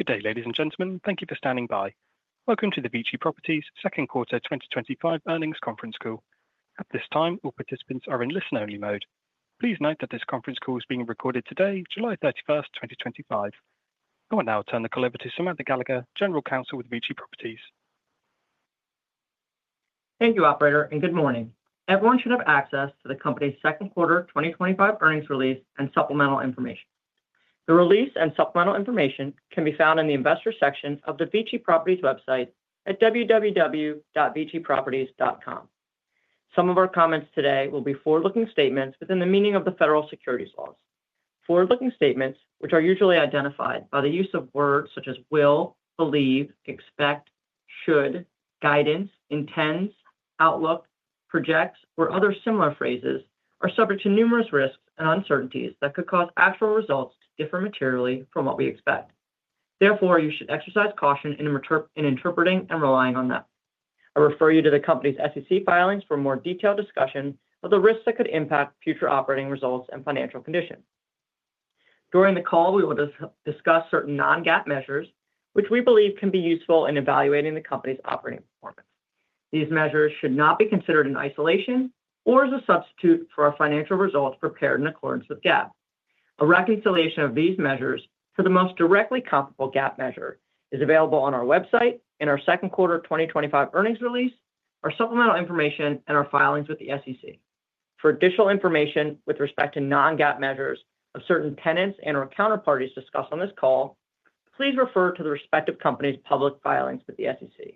Good day, ladies and gentlemen. Thank you for standing by. Welcome to the VICI Properties Second Quarter 2025 Earnings Conference Call. At this time, all participants are in listen-only mode. Please note that this conference call is being recorded today, July 31st, 2025. I will now turn the call over to Samantha Gallagher, General Counsel with VICI Properties. Thank you, Operator, and good morning. Everyone should have access to the company's Second Quarter 2025 earnings release and supplemental information. The release and supplemental information can be found in the Investor Section of the VICI Properties website at www.VICIproperties.com. Some of our comments today will be forward-looking statements within the meaning of the federal securities laws. Forward-looking statements, which are usually identified by the use of words such as will, believe, expect, should, guidance, intends, outlook, projects, or other similar phrases, are subject to numerous risks and uncertainties that could cause actual results to differ materially from what we expect. Therefore, you should exercise caution in interpreting and relying on them. I refer you to the company's SEC filings for a more detailed discussion of the risks that could impact future operating results and financial condition. During the call, we will discuss certain non-GAAP measures, which we believe can be useful in evaluating the company's operating performance. These measures should not be considered in isolation or as a substitute for our financial results prepared in accordance with GAAP. A reconciliation of these measures to the most directly comparable GAAP measure is available on our website in our Second Quarter 2025 earnings release, our supplemental information, and our filings with the SEC. For additional information with respect to non-GAAP measures of certain tenants and/or counterparties discussed on this call, please refer to the respective company's public filings with the SEC.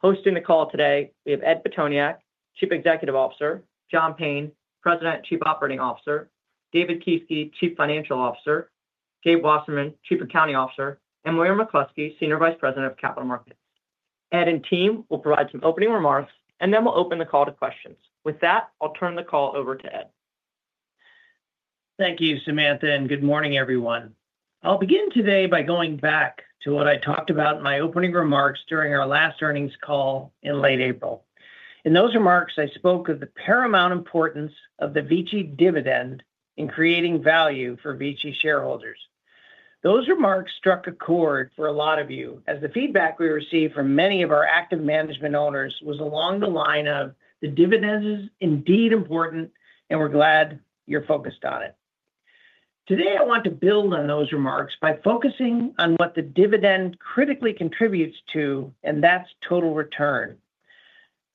Hosting the call today, we have Ed Pitoniak, Chief Executive Officer; John Payne, President and Chief Operating Officer; David Kieske, Chief Financial Officer; Gabe Wasserman, Chief Accounting Officer; and Moira McCloskey, Senior Vice President of Capital Markets. Ed and team will provide some opening remarks, and then we'll open the call to questions. With that, I'll turn the call over to Ed. Thank you, Samantha, and good morning, everyone. I'll begin today by going back to what I talked about in my opening remarks during our last earnings call in late April. In those remarks, I spoke of the paramount importance of the VICI dividend in creating value for VICI shareholders. Those remarks struck a chord for a lot of you, as the feedback we received from many of our active management owners was along the line of, "The dividend is indeed important, and we're glad you're focused on it." Today, I want to build on those remarks by focusing on what the dividend critically contributes to, and that's total return.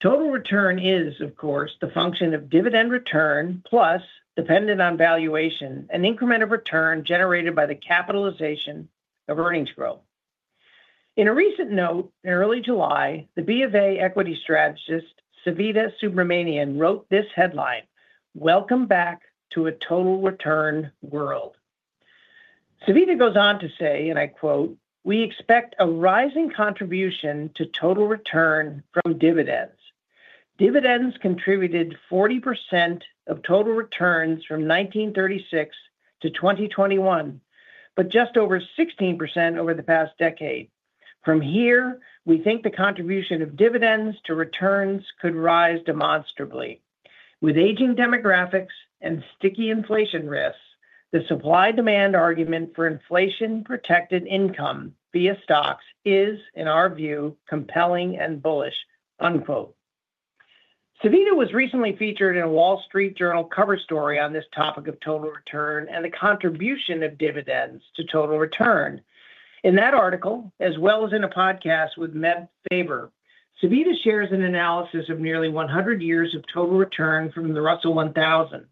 Total return is, of course, the function of dividend return plus, dependent on valuation, an increment of return generated by the capitalization of earnings growth. In a recent note in early July, the BofA equity strategist Savita Subramanian wrote this headline, "Welcome Back to a Total Return World." Savita goes on to say, and I quote, "We expect a rising contribution to total return from dividends. Dividends contributed 40% of total returns from 1936-2021, but just over 16% over the past decade. From here, we think the contribution of dividends to returns could rise demonstrably. With aging demographics and sticky inflation risks, the supply-demand argument for inflation-protected income via stocks is, in our view, compelling and bullish." Savita was recently featured in a Wall Street Journal cover story on this topic of total return and the contribution of dividends to total return. In that article, as well as in a podcast with Meb Faver, Savita shares an analysis of nearly 100 years of total return from the Russell 1000.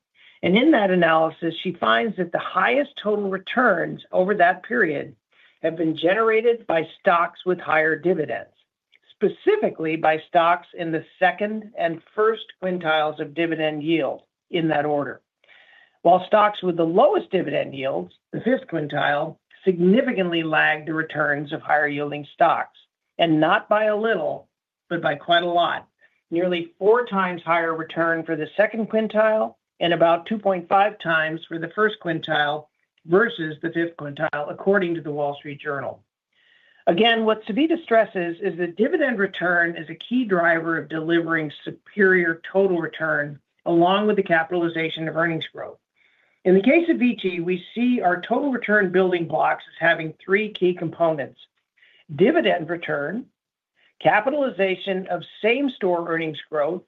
In that analysis, she finds that the highest total returns over that period have been generated by stocks with higher dividends, specifically by stocks in the second and first quintiles of dividend yield, in that order. While stocks with the lowest dividend yields, the fifth quintile, significantly lagged the returns of higher-yielding stocks, and not by a little, but by quite a lot. Nearly 4x higher return for the second quintile and about 2.5x for the first quintile versus the fifth quintile, according to the Wall Street Journal. Again, what Savita stresses is that dividend return is a key driver of delivering superior total return along with the capitalization of earnings growth. In the case of VICI, we see our total return building blocks as having three key components: dividend return, capitalization of same-store earnings growth,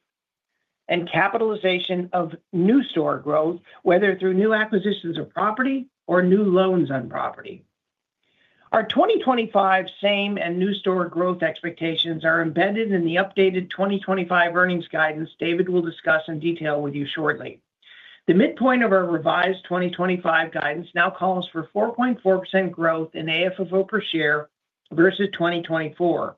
and capitalization of new-store growth, whether through new acquisitions of property or new loans on property. Our 2025 same and new-store growth expectations are embedded in the updated 2025 earnings guidance David will discuss in detail with you shortly. The midpoint of our revised 2025 guidance now calls for 4.4% growth in AFFO per share versus 2024.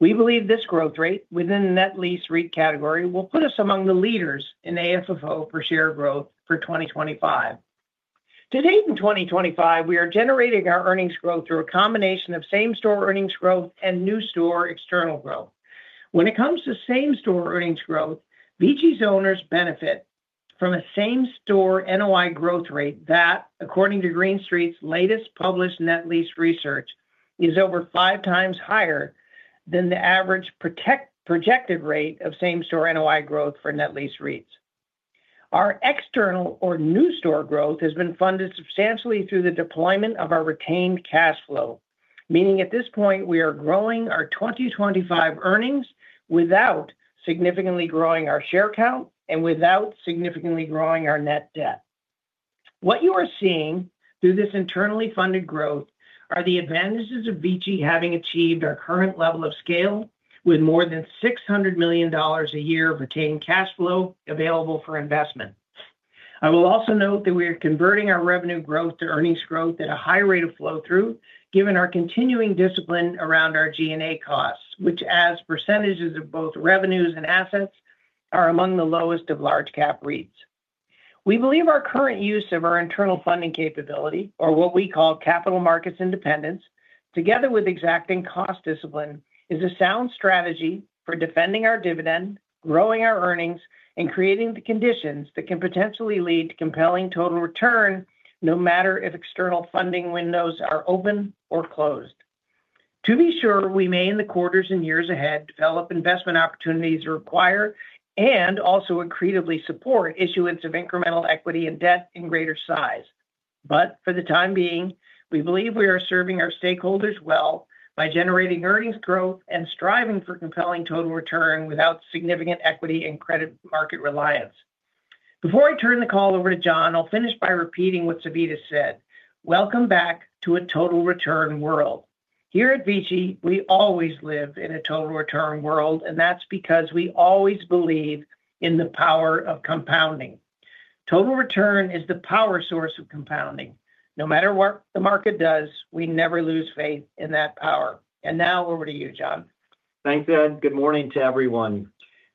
We believe this growth rate within the net lease rate category will put us among the leaders in AFFO per share growth for 2025. To date in 2025, we are generating our earnings growth through a combination of same-store earnings growth and new-store external growth. When it comes to same-store earnings growth, VICI's owners benefit from a same-store NOI growth rate that, according to Green Street's latest published net lease research, is over 5x higher than the average projected rate of same-store NOI growth for net lease REITs. Our external or new-store growth has been funded substantially through the deployment of our retained cash flow, meaning at this point, we are growing our 2025 earnings without significantly growing our share count and without significantly growing our net debt. What you are seeing through this internally funded growth are the advantages of VICI having achieved our current level of scale with more than $600 million a year of retained cash flow available for investment. I will also note that we are converting our revenue growth to earnings growth at a high rate of flow-through, given our continuing discipline around our G&A costs, which, as percentages of both revenues and assets, are among the lowest of large-cap REITs. We believe our current use of our internal funding capability, or what we call capital markets independence, together with exacting cost discipline, is a sound strategy for defending our dividend, growing our earnings, and creating the conditions that can potentially lead to compelling total return no matter if external funding windows are open or closed. To be sure, we may, in the quarters and years ahead, develop investment opportunities that require and also accretively support issuance of incremental equity and debt in greater size. For the time being, we believe we are serving our stakeholders well by generating earnings growth and striving for compelling total return without significant equity and credit market reliance. Before I turn the call over to John, I'll finish by repeating what Savita said. Welcome back to a total return world. Here at VICI, we always live in a total return world, and that's because we always believe in the power of compounding. Total return is the power source of compounding. No matter what the market does, we never lose faith in that power. Now over to you, John. Thanks, Ed. Good morning to everyone.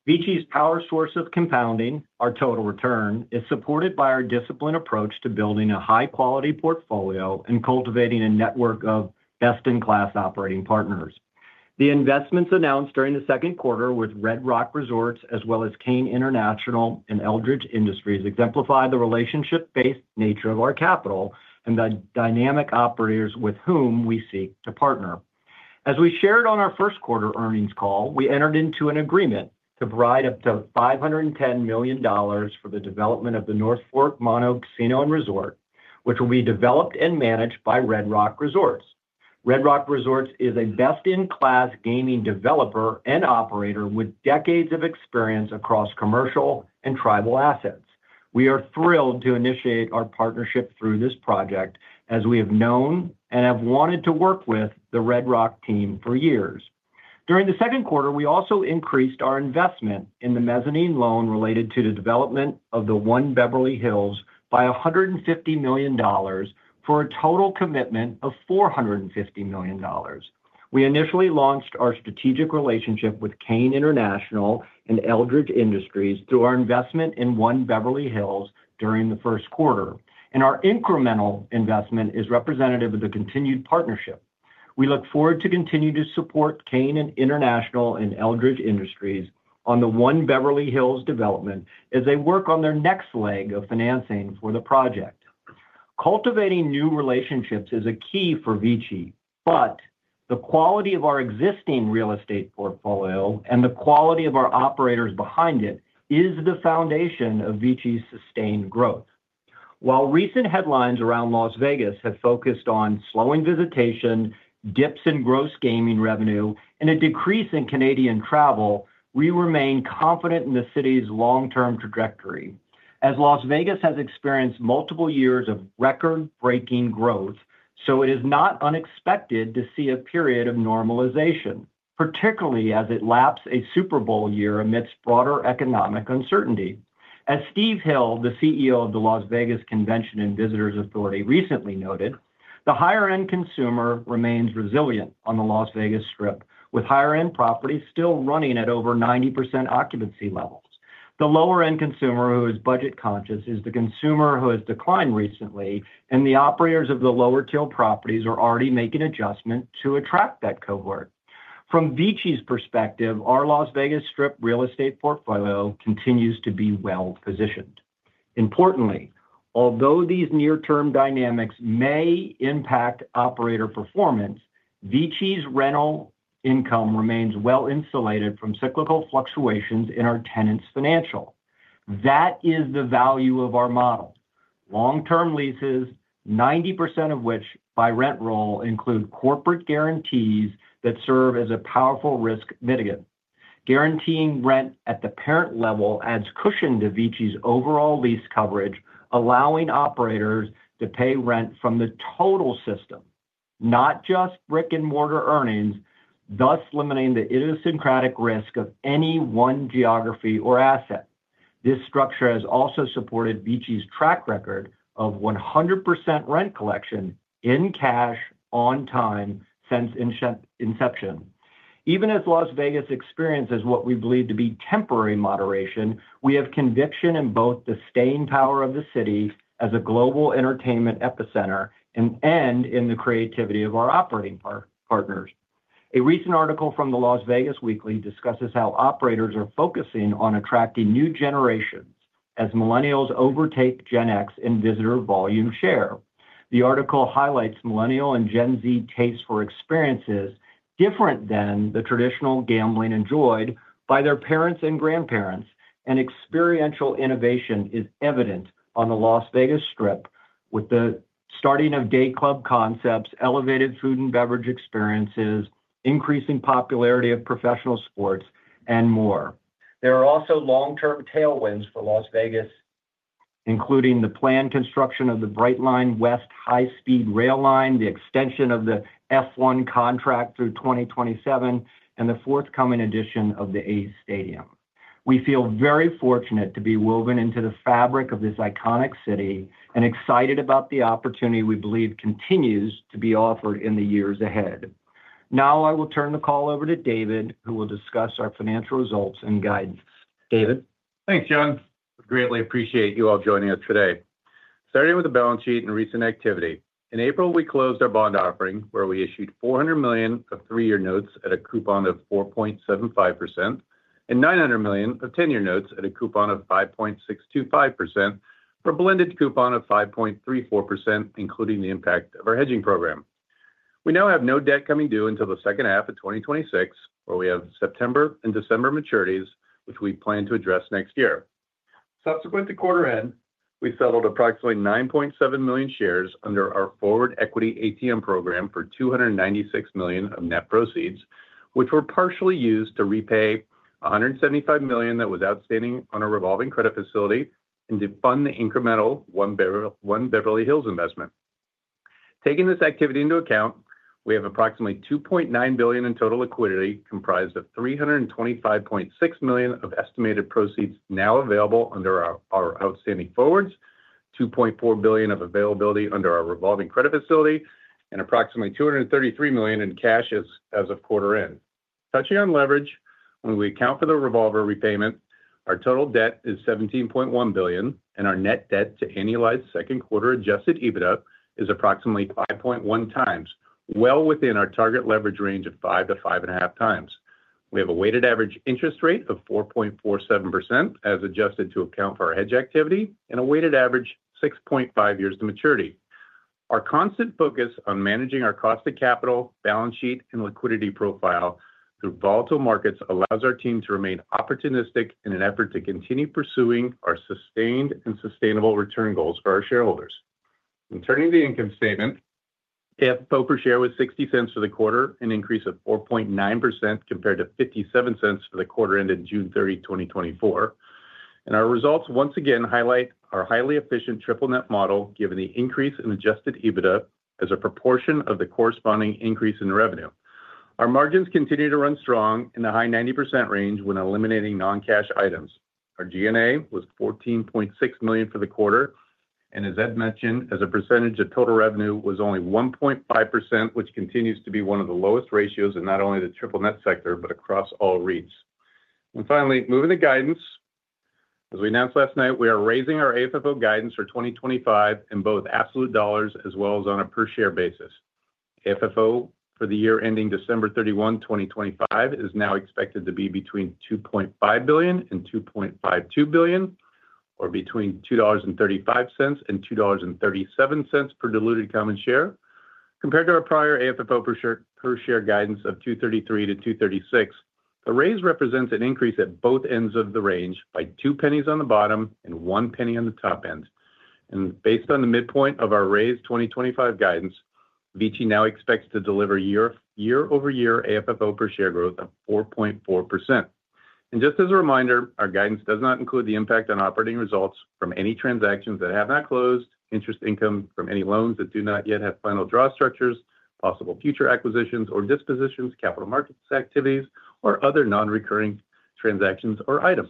VICI's power source of compounding, our total return, is supported by our disciplined approach to building a high-quality portfolio and cultivating a network of best-in-class operating partners. The investments announced during the second quarter with Red Rock Resorts, as well as Cain International and Eldridge Industries, exemplify the relationship-based nature of our capital and the dynamic operators with whom we seek to partner. As we shared on our first quarter earnings call, we entered into an agreement to provide up to $510 million for the development of the North Fork Mono Casino & Resort, which will be developed and managed by Red Rock Resorts. Red Rock Resorts is a best-in-class gaming developer and operator with decades of experience across commercial and tribal assets. We are thrilled to initiate our partnership through this project, as we have known and have wanted to work with the Red Rock team for years. During the second quarter, we also increased our investment in the mezzanine loan related to the development of the One Beverly Hills by $150 million, for a total commitment of $450 million. We initially launched our strategic relationship with Cain International and Eldridge Industries through our investment in One Beverly Hills during the first quarter, and our incremental investment is representative of the continued partnership. We look forward to continuing to support Cain International and Eldridge Industries on the One Beverly Hills development as they work on their next leg of financing for the project. Cultivating new relationships is a key for VICI, but the quality of our existing real estate portfolio and the quality of our operators behind it is the foundation of VICI's sustained growth. While recent headlines around Las Vegas have focused on slowing visitation, dips in gross gaming revenue, and a decrease in Canadian travel, we remain confident in the city's long-term trajectory. As Las Vegas has experienced multiple years of record-breaking growth, it is not unexpected to see a period of normalization, particularly as it laps a Super Bowl year amidst broader economic uncertainty. As Steve Hill, the CEO of the Las Vegas Convention and Visitors Authority, recently noted, the higher-end consumer remains resilient on the Las Vegas Strip, with higher-end properties still running at over 90% occupancy levels. The lower-end consumer who is budget-conscious is the consumer who has declined recently, and the operators of the lower-tier properties are already making adjustments to attract that cohort. From VICI's perspective, our Las Vegas Strip real estate portfolio continues to be well-positioned. Importantly, although these near-term dynamics may impact operator performance, VICI's rental income remains well-insulated from cyclical fluctuations in our tenants' financials. That is the value of our model. Long-term leases, 90% of which by rent roll, include corporate guarantees that serve as a powerful risk mitigant. Guaranteeing rent at the parent level adds cushion to VICI's overall lease coverage, allowing operators to pay rent from the total system, not just brick-and-mortar earnings, thus limiting the idiosyncratic risk of any one geography or asset. This structure has also supported VICI's track record of 100% rent collection in cash on time since inception. Even as Las Vegas experiences what we believe to be temporary moderation, we have conviction in both the staying power of the city as a global entertainment epicenter and in the creativity of our operating partners. A recent article from the Las Vegas Weekly discusses how operators are focusing on attracting new generations as millennials overtake Gen X in visitor volume share. The article highlights millennial and Gen Z tastes for experiences different than the traditional gambling enjoyed by their parents and grandparents, and experiential innovation is evident on the Las Vegas Strip, with the starting of day club concepts, elevated food and beverage experiences, increasing popularity of professional sports, and more. There are also long-term tailwinds for Las Vegas, including the planned construction of the Brightline West High-Speed Rail Line, the extension of the F1 contract through 2027, and the forthcoming addition of the A’s Stadium. We feel very fortunate to be woven into the fabric of this iconic city and excited about the opportunity we believe continues to be offered in the years ahead. Now I will turn the call over to David, who will discuss our financial results and guidance. David. Thanks, John. We greatly appreciate you all joining us today. Starting with the balance sheet and recent activity. In April, we closed our bond offering, where we issued $400 million of three-year notes at a coupon of 4.75%, and $900 million of 10-year notes at a coupon of 5.625%, for a blended coupon of 5.34%, including the impact of our hedging program. We now have no debt coming due until the second half of 2026, where we have September and December maturities, which we plan to address next year. Subsequent to quarter end, we settled approximately 9.7 million shares under our forward equity ATM program for $296 million of net proceeds, which were partially used to repay $175 million that was outstanding on our revolving credit facility and to fund the incremental One Beverly Hills investment. Taking this activity into account, we have approximately $2.9 billion in total liquidity, comprised of $325.6 million of estimated proceeds now available under our outstanding forwards, $2.4 billion of availability under our revolving credit facility, and approximately $233 million in cash as of quarter end. Touching on leverage, when we account for the revolver repayment, our total debt is $17.1 billion, and our net debt to annualized second quarter adjusted EBITDA is approximately 5.1x, well within our target leverage range of 5x-5.5x. We have a weighted average interest rate of 4.47%, as adjusted to account for our hedge activity, and a weighted average of 6.5 years to maturity. Our constant focus on managing our cost of capital, balance sheet, and liquidity profile through volatile markets allows our team to remain opportunistic in an effort to continue pursuing our sustained and sustainable return goals for our shareholders. In turning the income statement, AFFO per share was $0.60 for the quarter, an increase of 4.9% compared to $0.57 for the quarter ended June 30, 2024. Our results once again highlight our highly efficient triple net model, given the increase in adjusted EBITDA as a proportion of the corresponding increase in revenue. Our margins continue to run strong in the high 90% range when eliminating non-cash items. Our G&A was $14.6 million for the quarter, and as Ed mentioned, as a percentage of total revenue, was only 1.5%, which continues to be one of the lowest ratios in not only the triple net sector, but across all REITs. Finally, moving to guidance. As we announced last night, we are raising our AFFO guidance for 2025 in both absolute dollars as well as on a per-share basis. AFFO for the year ending December 31, 2025, is now expected to be between $2.5 billion and $2.52 billion, or between $2.35 and $2.37 per diluted common share. Compared to our prior AFFO per share guidance of $2.33-$2.36, the raise represents an increase at both ends of the range by $0.02 on the bottom and $0.01 on the top end. Based on the midpoint of our raised 2025 guidance, VICI now expects to deliver year-over-year AFFO per share growth of 4.4%. Just as a reminder, our guidance does not include the impact on operating results from any transactions that have not closed, interest income from any loans that do not yet have final draw structures, possible future acquisitions or dispositions, capital markets activities, or other non-recurring transactions or items.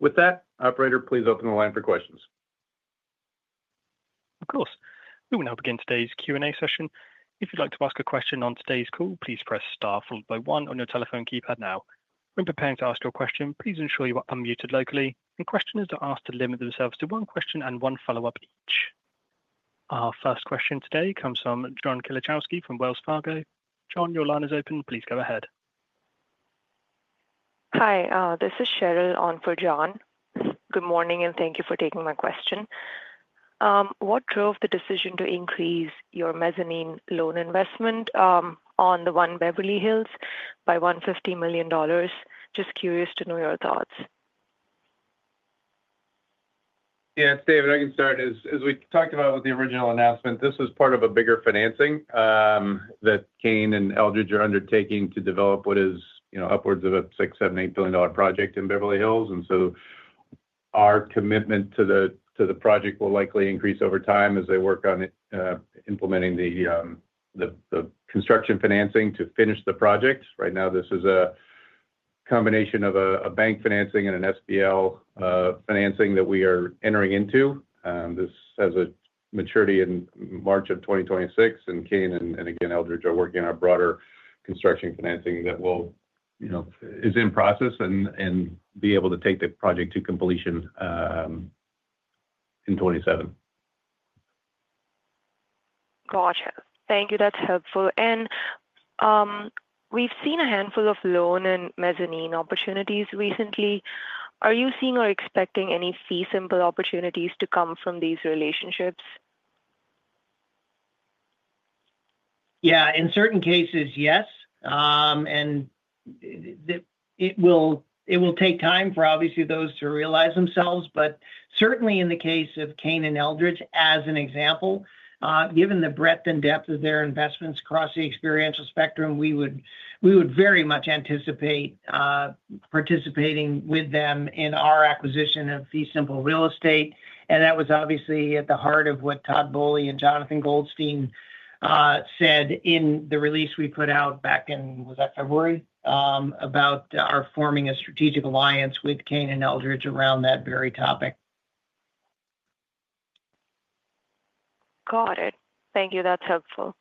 With that, operator, please open the line for questions. Of course. We will now begin today's Q&A session. If you'd like to ask a question on today's call, please press star followed by one on your telephone keypad now. When preparing to ask your question, please ensure you are unmuted locally, and questioners are asked to limit themselves to one question and one follow-up each. Our first question today comes from John Kilichowski from Wells Fargo. John, your line is open. Please go ahead. Hi, this is Cheryl on for John. Good morning, and thank you for taking my question. What drove the decision to increase your mezzanine loan investment on the One Beverly Hills by $150 million? Just curious to know your thoughts. Yeah, it's David. I can start. As we talked about with the original announcement, this was part of a bigger financing that Cain and Eldridge are undertaking to develop what is upwards of a $6 billion, $7 billion, $8 billion project in Beverly Hills. Our commitment to the project will likely increase over time as they work on implementing the construction financing to finish the project. Right now, this is a combination of a bank financing and an SBL financing that we are entering into. This has a maturity in March of 2026, and Cain and, again, Eldridge are working on a broader construction financing that is in process and will be able to take the project to completion in 2027. Gotcha. Thank you. That's helpful. We've seen a handful of loan and mezzanine opportunities recently. Are you seeing or expecting any fee simple opportunities to come from these relationships? Yeah, in certain cases, yes. It will take time for, obviously, those to realize themselves. Certainly, in the case of Cain and Industries, as an example, given the breadth and depth of their investments across the experiential spectrum, we would very much anticipate participating with them in our acquisition of fee simple real estate. That was obviously at the heart of what Todd Boehly and Jonathan Goldstein said in the release we put out back in, was that February, about our forming a strategic alliance with Cain and Eldridge around that very topic. Got it. Thank you. That's helpful.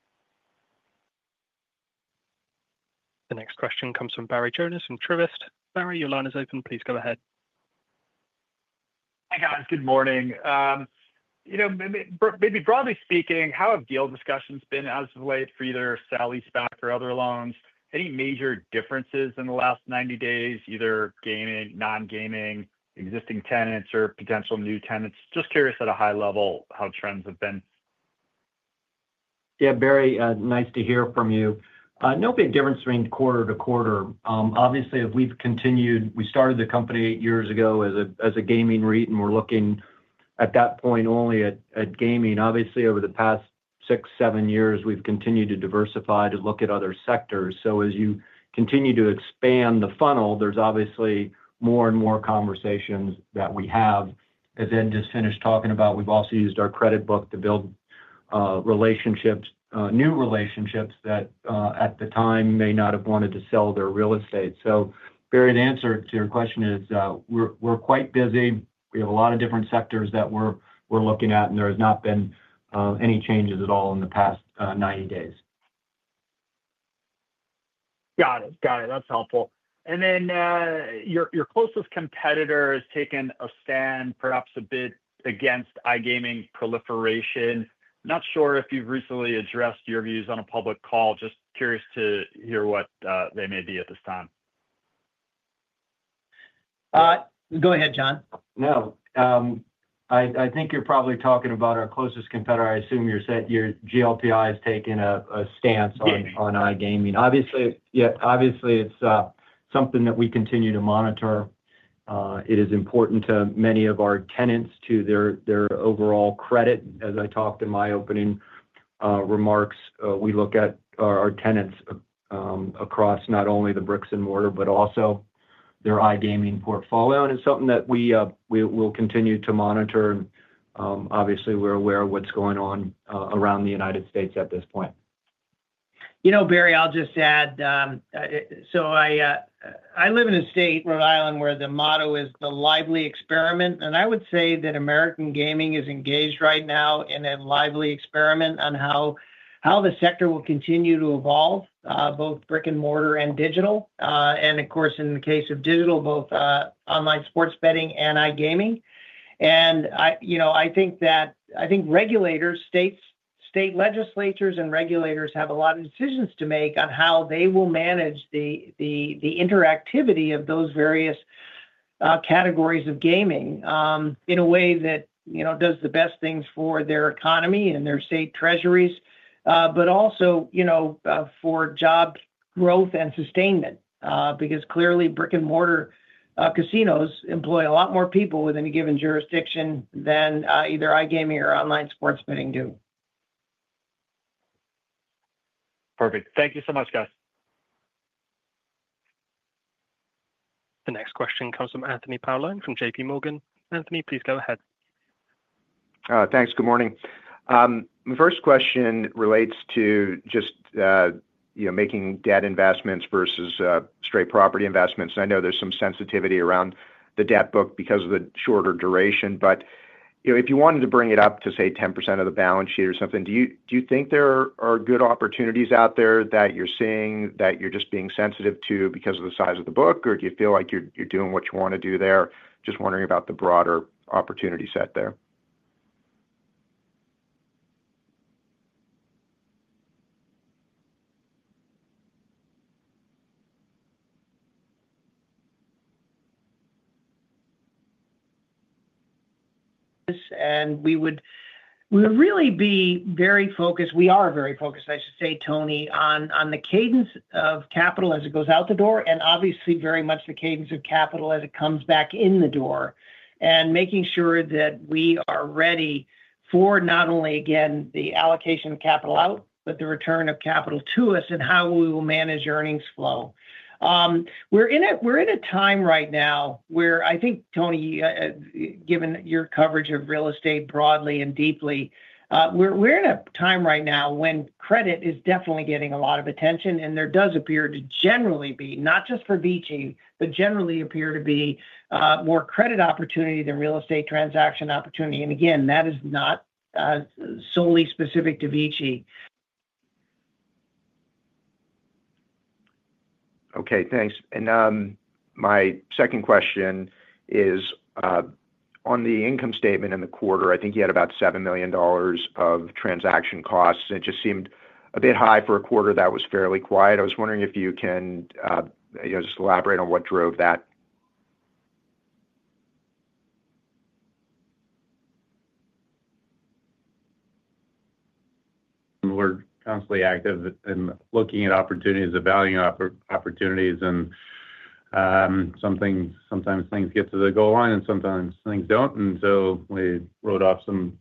The next question comes from Barry Jonas from Truist. Barry, your line is open. Please go ahead. Hey, guys. Good morning. Maybe broadly speaking, how have deal discussions been as of late for either sale leaseback or other loans? Any major differences in the last 90 days, either gaming, non-gaming, existing tenants, or potential new tenants? Just curious at a high level how trends have been. Yeah, Barry, nice to hear from you. No big difference between quarter to quarter. Obviously, we started the company eight years ago as a gaming REIT, and we're looking at that point only at gaming. Obviously, over the past six, seven years, we've continued to diversify to look at other sectors. As you continue to expand the funnel, there's obviously more and more conversations that we have. As Ed just finished talking about, we've also used our credit book to build relationships, new relationships that at the time may not have wanted to sell their real estate. Barry, the answer to your question is we're quite busy. We have a lot of different sectors that we're looking at, and there have not been any changes at all in the past 90 days. Got it. That's helpful. Your closest competitor has taken a stand perhaps a bit against iGaming proliferation. Not sure if you've recently addressed your views on a public call. Just curious to hear what they may be at this time. Go ahead, John. No, I think you're probably talking about our closest competitor. I assume your GLPI has taken a stance on iGaming. Obviously, it's something that we continue to monitor. It is important to many of our tenants to their overall credit. As I talked in my opening remarks, we look at our tenants across not only the bricks and mortar, but also their iGaming portfolio. It's something that we will continue to monitor. Obviously, we're aware of what's going on around the United States at this point. You know, Barry, I'll just add, I live in a state, Rhode Island, where the motto is the lively experiment. I would say that American gaming is engaged right now in a lively experiment on how the sector will continue to evolve, both brick and mortar and digital. In the case of digital, both online sports betting and iGaming. I think regulators, state legislatures, and regulators have a lot of decisions to make on how they will manage the interactivity of those various categories of gaming in a way that does the best things for their economy and their state treasuries, but also for job growth and sustainment. Clearly, brick and mortar casinos employ a lot more people within a given jurisdiction than either iGaming or online sports betting do. Perfect. Thank you so much, guys. The next question comes from Anthony Paolone from JPMorgan. Anthony, please go ahead. Thanks. Good morning. My first question relates to making debt investments versus straight property investments. I know there's some sensitivity around the debt book because of the shorter duration. If you wanted to bring it up to, say, 10% of the balance sheet or something, do you think there are good opportunities out there that you're seeing that you're just being sensitive to because of the size of the book? Do you feel like you're doing what you want to do there? I'm just wondering about the broader opportunity set there. We would really be very focused. We are very focused, I should say, Tony, on the cadence of capital as it goes out the door, and obviously very much the cadence of capital as it comes back in the door, and making sure that we are ready for not only, again, the allocation of capital out, but the return of capital to us and how we will manage earnings flow. We are in a time right now where I think, Tony, given your coverage of real estate broadly and deeply, we are in a time right now when credit is definitely getting a lot of attention. There does appear to generally be, not just for VICI, but generally appear to be more credit opportunity than real estate transaction opportunity. That is not solely specific to VICI. Okay. Thanks. My second question is on the income statement in the quarter. I think you had about $7 million of transaction costs. It just seemed a bit high for a quarter that was fairly quiet. I was wondering if you can just elaborate on what drove that. We're constantly active in looking at opportunities, evaluating opportunities. Sometimes things get to the goal line, and sometimes things don't. We wrote off some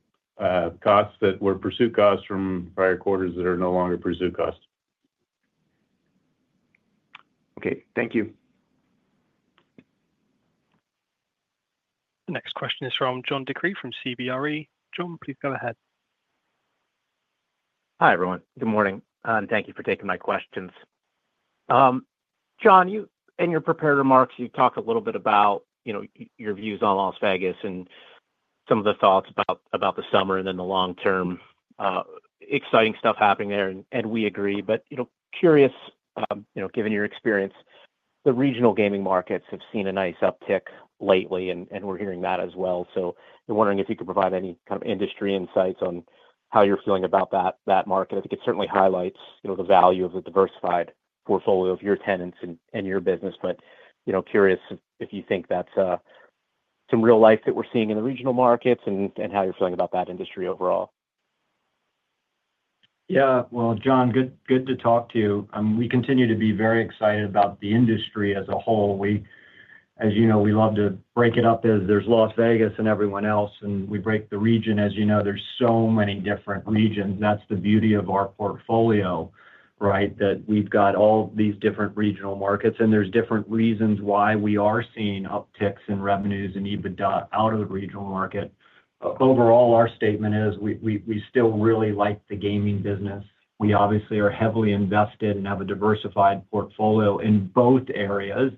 costs that were pursuit costs from prior quarters that are no longer pursuit costs. Okay, thank you. The next question is from John DeCree from CBRE. John, please go ahead. Hi, everyone. Good morning. Thank you for taking my questions. John, in your prepared remarks, you talked a little bit about your views on Las Vegas and some of the thoughts about the summer and then the long-term. Exciting stuff happening there. We agree. Curious, given your experience, the regional gaming markets have seen a nice uptick lately, and we're hearing that as well. I'm wondering if you could provide any kind of industry insights on how you're feeling about that market. I think it certainly highlights the value of the diversified portfolio of your tenants and your business. Curious if you think that's some real life that we're seeing in the regional markets and how you're feeling about that industry overall. Yeah. John, good to talk to you. We continue to be very excited about the industry as a whole. As you know, we love to break it up as there's Las Vegas and everyone else. We break the region. As you know, there's so many different regions. That's the beauty of our portfolio, right, that we've got all these different regional markets. There's different reasons why we are seeing upticks in revenues and EBITDA out of the regional market. Overall, our statement is we still really like the gaming business. We obviously are heavily invested and have a diversified portfolio in both areas.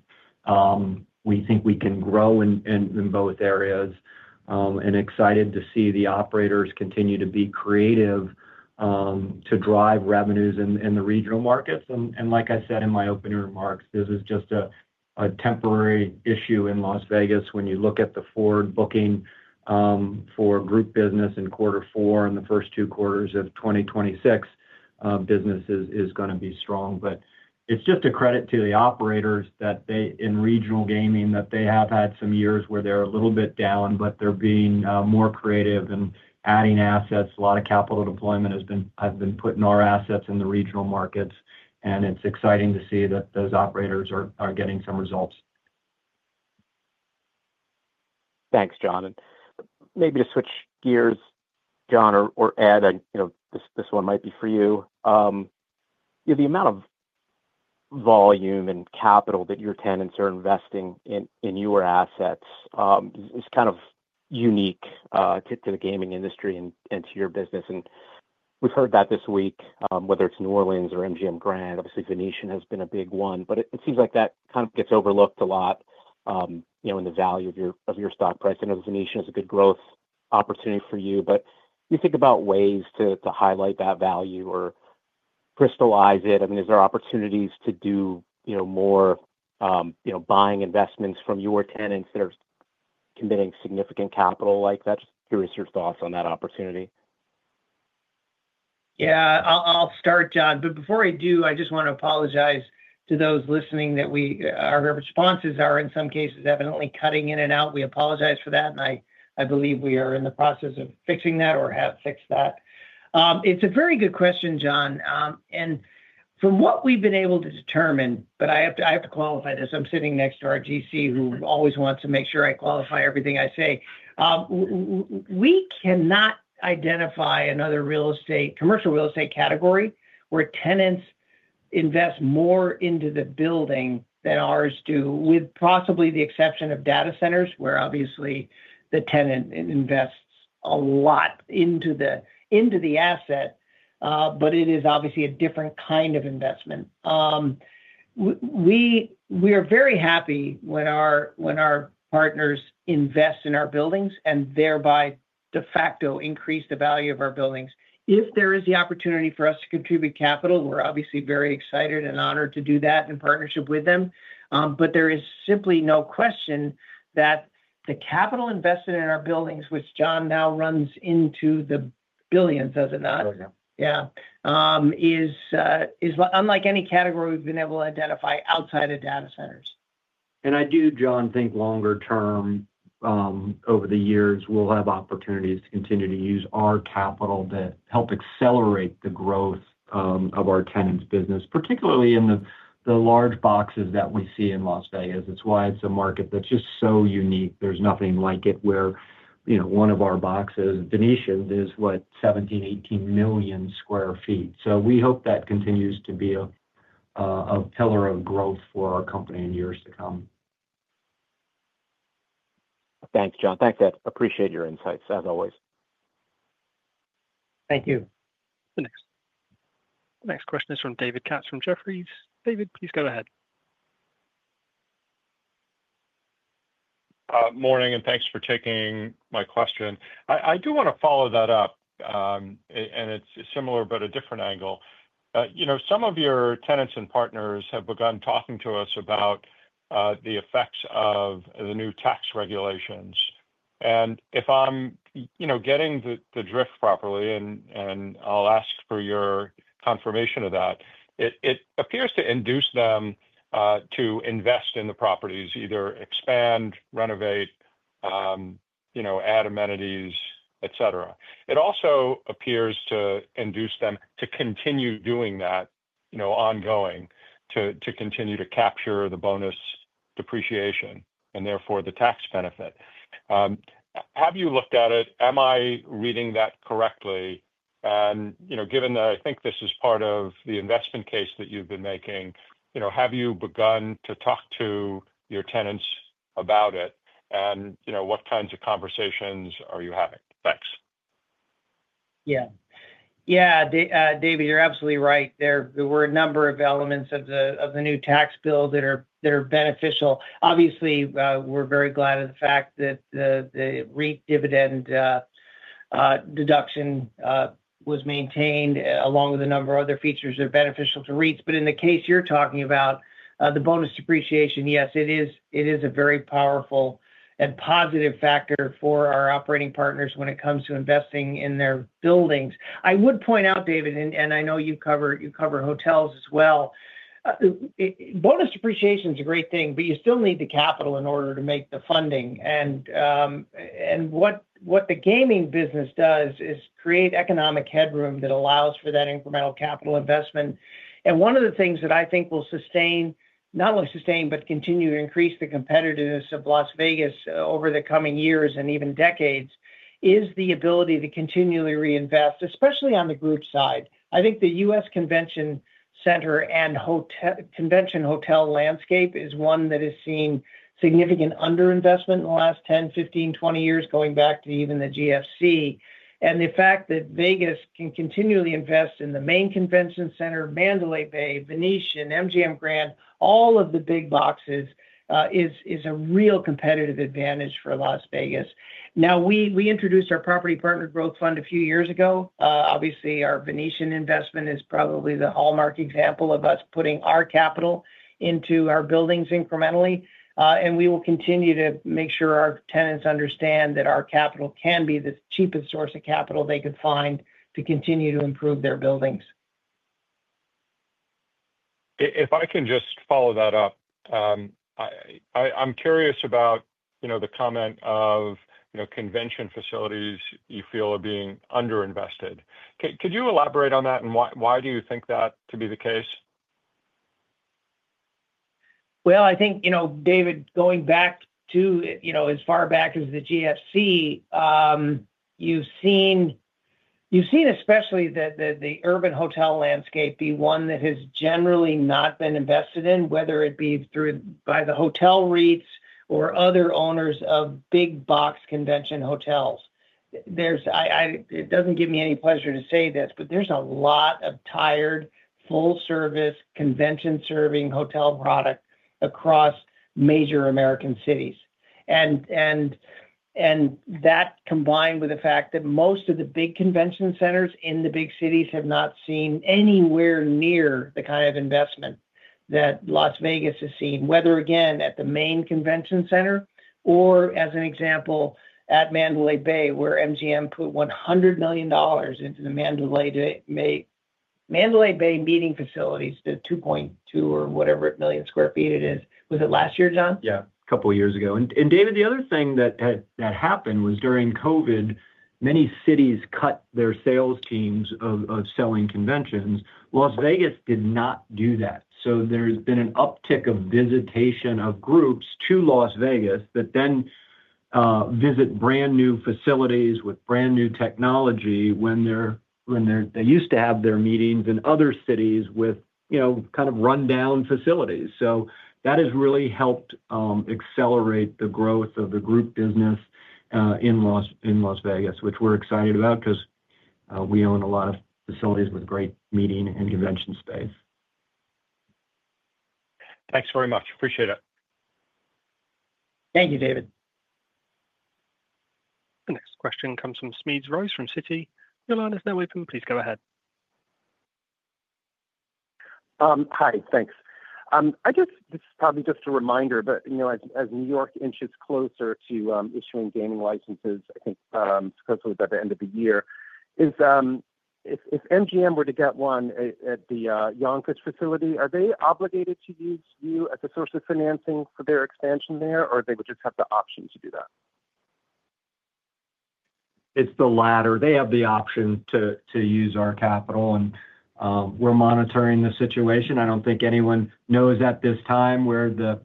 We think we can grow in both areas. Excited to see the operators continue to be creative to drive revenues in the regional markets. Like I said in my opening remarks, this is just a temporary issue in Las Vegas. When you look at the forward booking for group business in quarter four and the first two quarters of 2026, business is going to be strong. It's just a credit to the operators that in regional gaming they have had some years where they're a little bit down, but they're being more creative and adding assets. A lot of capital deployment has been put in our assets in the regional markets. It's exciting to see that those operators are getting some results. Thanks, John. Maybe to switch gears, John or Ed, this one might be for you. The amount of volume and capital that your tenants are investing in your assets is kind of unique to the gaming industry and to your business. We've heard that this week, whether it's New Orleans or MGM Grand. Obviously, Venetian has been a big one. It seems like that kind of gets overlooked a lot in the value of your stock price. I know The Venetian Resort Las Vegas is a good growth opportunity for you. You think about ways to highlight that value or crystallize it. I mean, are there opportunities to do more buying investments from your tenants that are committing significant capital like that? Just curious your thoughts on that opportunity. Yeah. I'll start, John. Before I do, I just want to apologize to those listening that our responses are, in some cases, evidently cutting in and out. We apologize for that. I believe we are in the process of fixing that or have fixed that. It's a very good question, John. From what we've been able to determine, I have to qualify this. I'm sitting next to our GC, who always wants to make sure I qualify everything I say. We cannot identify another commercial real estate category where tenants invest more into the building than ours do, with possibly the exception of data centers, where obviously the tenant invests a lot into the asset. It is obviously a different kind of investment. We are very happy when our partners invest in our buildings and thereby de facto increase the value of our buildings. If there is the opportunity for us to contribute capital, we're obviously very excited and honored to do that in partnership with them. There is simply no question that the capital invested in our buildings, which, John, now runs into the billions, doesn't it? Yeah. Yeah, it's unlike any category we've been able to identify outside of data centers. I do, John, think longer term. Over the years, we'll have opportunities to continue to use our capital to help accelerate the growth of our tenants' business, particularly in the large boxes that we see in Las Vegas. It's why it's a market that's just so unique. There's nothing like it where one of our boxes, Venetian, is what, 17, 18 million sq ft. We hope that continues to be a pillar of growth for our company in years to come. Thanks, John. Thanks, Ed. Appreciate your insights, as always. Thank you. The next question is from David Katz from Jefferies. David, please go ahead. Morning, and thanks for taking my question. I do want to follow that up. It's a similar but a different angle. Some of your tenants and partners have begun talking to us about the effects of the new tax regulations. If I'm getting the drift properly, and I'll ask for your confirmation of that, it appears to induce them to invest in the properties, either expand, renovate, add amenities, et cetera. It also appears to induce them to continue doing that ongoing, to continue to capture the bonus depreciation and therefore the tax benefit. Have you looked at it? Am I reading that correctly? Given that I think this is part of the investment case that you've been making, have you begun to talk to your tenants about it? What kinds of conversations are you having? Thanks. Yeah. Yeah. David, you're absolutely right. There were a number of elements of the new tax bill that are beneficial. Obviously, we're very glad of the fact that the REIT dividend deduction was maintained, along with a number of other features that are beneficial to REITs. In the case you're talking about, the bonus depreciation, yes, it is a very powerful and positive factor for our operating partners when it comes to investing in their buildings. I would point out, David, and I know you cover hotels as well, bonus depreciation is a great thing, but you still need the capital in order to make the funding. What the gaming business does is create economic headroom that allows for that incremental capital investment. One of the things that I think will not only sustain, but continue to increase the competitiveness of Las Vegas over the coming years and even decades is the ability to continually reinvest, especially on the group side. I think the U.S. convention center and convention hotel landscape is one that has seen significant underinvestment in the last 10, 15, 20 years, going back to even the GFC. The fact that Vegas can continually invest in the main convention center, Mandalay Bay, Venetian, MGM Grand, all of the big boxes is a real competitive advantage for Las Vegas. Now, we introduced our Property Partner Growth Fund a few years ago. Obviously, our Venetian investment is probably the hallmark example of us putting our capital into our buildings incrementally. We will continue to make sure our tenants understand that our capital can be the cheapest source of capital they could find to continue to improve their buildings. If I can just follow that up, I'm curious about the comment of convention facilities you feel are being underinvested. Could you elaborate on that, and why do you think that to be the case? I think, David, going back to as far back as the GFC, you've seen especially the urban hotel landscape be one that has generally not been invested in, whether it be by the hotel REITs or other owners of big box convention hotels. It doesn't give me any pleasure to say this, but there's a lot of tired, full-service, convention-serving hotel product across major American cities. That combined with the fact that most of the big convention centers in the big cities have not seen anywhere near the kind of investment that Las Vegas has seen, whether, again, at the main convention center or, as an example, at Mandalay Bay, where MGM put $100 million into the Mandalay Bay meeting facilities, the 2.2 or whatever million sq ft it is. Was it last year, John? Yeah. A couple of years ago. David, the other thing that happened was during COVID, many cities cut their sales teams of selling conventions. Las Vegas did not do that. There's been an uptick of visitation of groups to Las Vegas that visit brand new facilities with brand new technology when they used to have their meetings in other cities with kind of rundown facilities. That has really helped accelerate the growth of the group business in Las Vegas, which we're excited about because we own a lot of facilities with great meeting and convention space. Thanks very much. Appreciate it. Thank you, David. The next question comes from Smedes Rose from Citi. You'll understand, please go ahead. Hi. Thanks. This is probably just a reminder, but as New York inches closer to issuing gaming licenses, I think specifically by the end of the year, if MGM were to get one at the Yonkers facility, are they obligated to use you as a source of financing for their expansion there, or would they just have the option to do that? It's the latter. They have the option to use our capital, and we're monitoring the situation. I don't think anyone knows at this time where the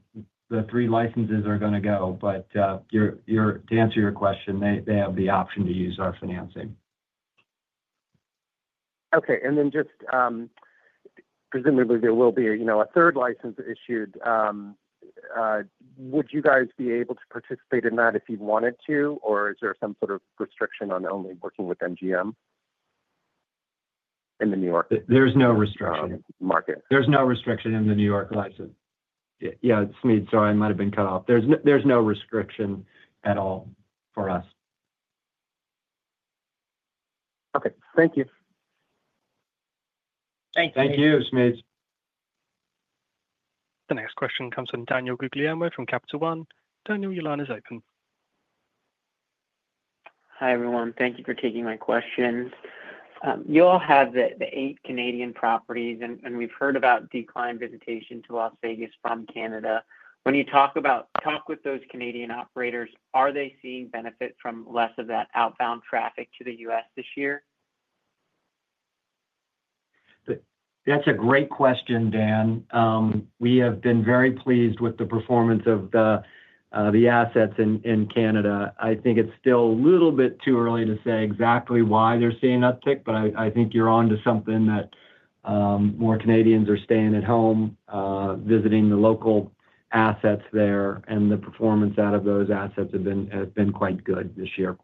three licenses are going to go. To answer your question, they have the option to use our financing. Okay. Presumably, there will be a third license issued. Would you guys be able to participate in that if you wanted to, or is there some sort of restriction on only working with MGM in New York? There's no restriction. Market. There's no restriction in the New York license. Sorry, I might have been cut off. There's no restriction at all for us. Okay, thank you. Thank you. Thank you, Smedes. The next question comes from Daniel Guglielmo from Capital One. Daniel, your line is open. Hi, everyone. Thank you for taking my questions. You all have the eight Canadian properties, and we've heard about decline in visitation to Las Vegas from Canada. When you talk with those Canadian operators, are they seeing benefit from less of that outbound traffic to the U.S. this year? That's a great question, Dan. We have been very pleased with the performance of the assets in Canada. I think it's still a little bit too early to say exactly why they're seeing an uptick, but I think you're on to something that more Canadians are staying at home, visiting the local assets there, and the performance out of those assets has been quite good this year.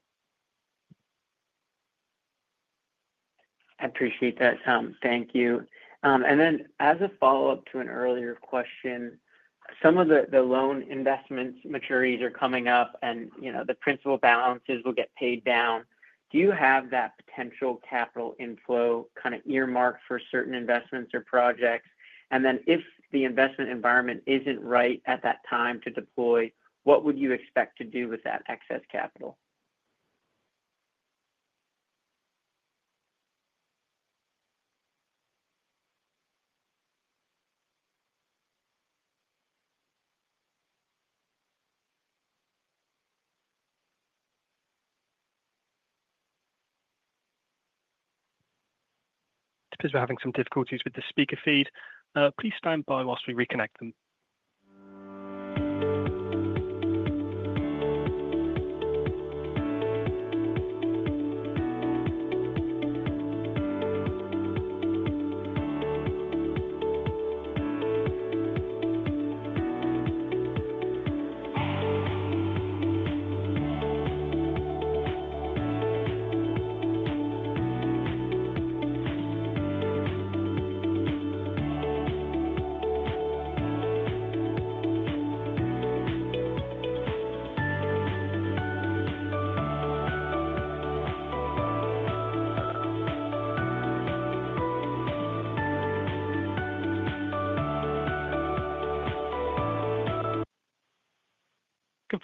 I appreciate that, Tom. Thank you. As a follow-up to an earlier question, some of the loan investment maturities are coming up, and the principal balances will get paid down. Do you have that potential capital inflow kind of earmarked for certain investments or projects? If the investment environment isn't right at that time to deploy, what would you expect to do with that excess capital? Because we're having some difficulties with the speaker feed, please stand by while we reconnect them.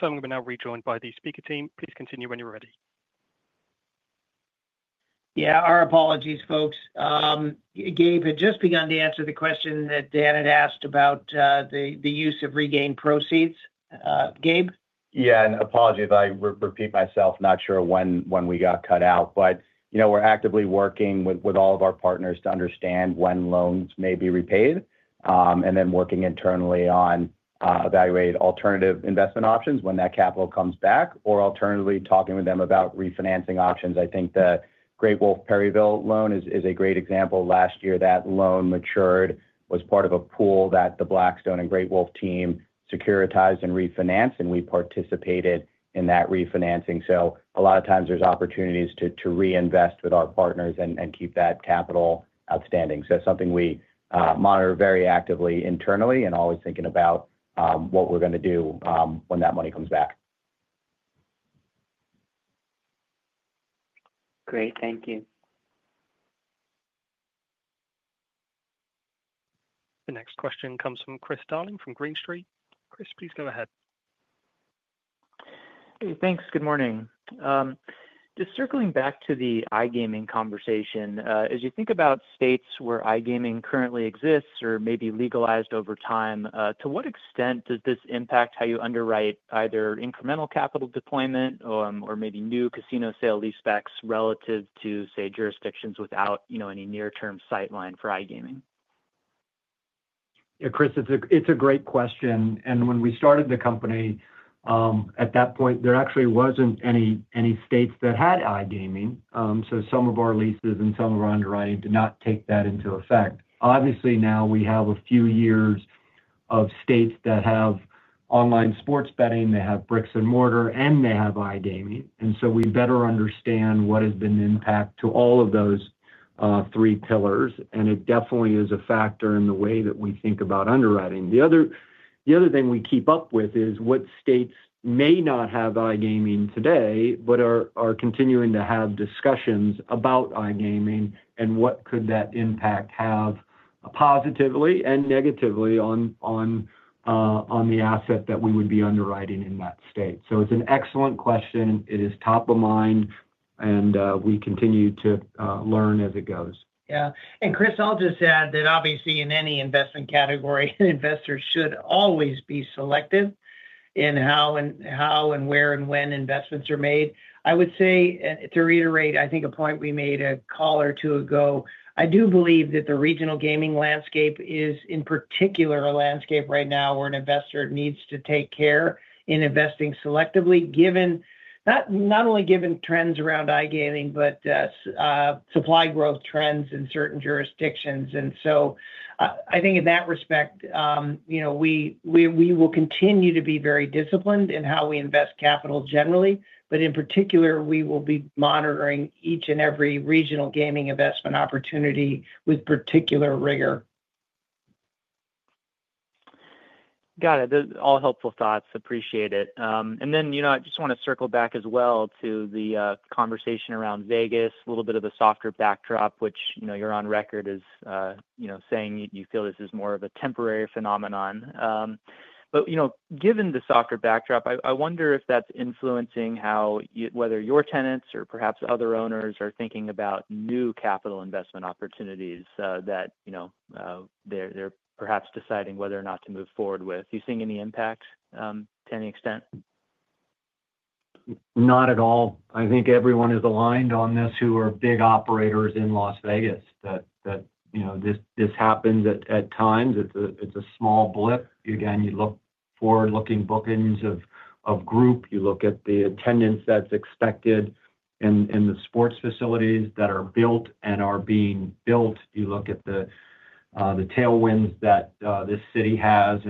Confirming we're now rejoined by the speaker team. Please continue when you're ready. Yeah. Our apologies, folks. Gabe had just begun to answer the question that Dan had asked about the use of regained proceeds. Gabe? Yeah. Apologies, I repeat myself. Not sure when we got cut out. We're actively working with all of our partners to understand when loans may be repaid and then working internally on evaluating alternative investment options when that capital comes back, or alternatively talking with them about refinancing options. I think the Great Wolf Perryville loan is a great example. Last year, that loan matured and was part of a pool that the Blackstone and Great Wolf team securitized and refinanced, and we participated in that refinancing. A lot of times, there are opportunities to reinvest with our partners and keep that capital outstanding. It's something we monitor very actively internally and always thinking about what we're going to do when that money comes back. Great. Thank you. The next question comes from Chris Darling from Green Street. Chris, please go ahead. Hey, thanks. Good morning. Just circling back to the iGaming conversation, as you think about states where iGaming currently exists or may be legalized over time, to what extent does this impact how you underwrite either incremental capital deployment or maybe new casino sale lease specs relative to, say, jurisdictions without any near-term sightline for iGaming? Yeah, Chris, it's a great question. When we started the company, at that point, there actually wasn't any states that had iGaming. Some of our leases and some of our underwriting did not take that into effect. Obviously, now we have a few years of states that have online sports betting. They have bricks and mortar, and they have iGaming. We better understand what has been the impact to all of those three pillars. It definitely is a factor in the way that we think about underwriting. The other thing we keep up with is what states may not have iGaming today but are continuing to have discussions about iGaming and what could that impact have positively and negatively on the asset that we would be underwriting in that state. It's an excellent question. It is top of mind, and we continue to learn as it goes. Yeah. Chris, I'll just add that, obviously, in any investment category, investors should always be selective in how and where and when investments are made. I would say, to reiterate, I think a point we made a call or two ago, I do believe that the regional gaming landscape is, in particular, a landscape right now where an investor needs to take care in investing selectively, not only given trends around iGaming, but supply growth trends in certain jurisdictions. I think, in that respect, we will continue to be very disciplined in how we invest capital generally, but in particular, we will be monitoring each and every regional gaming investment opportunity with particular rigor. Got it. All helpful thoughts. Appreciate it. I just want to circle back as well to the conversation around Vegas, a little bit of the softer backdrop, which you're on record as saying you feel this is more of a temporary phenomenon. Given the softer backdrop, I wonder if that's influencing whether your tenants or perhaps other owners are thinking about new capital investment opportunities that they're perhaps deciding whether or not to move forward with. Do you see any impact to any extent? Not at all. I think everyone is aligned on this who are big operators in Las Vegas. This happens at times. It's a small blip. Again, you look at forward-looking bookings of group, you look at the attendance that's expected in the sports facilities that are built and are being built, you look at the tailwinds that this city has.